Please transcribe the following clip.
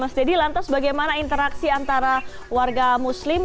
mas deddy lantas bagaimana interaksi antara warga muslim